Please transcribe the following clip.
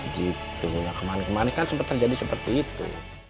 gitu ya kemarin kemarin kan sempat terjadi seperti itu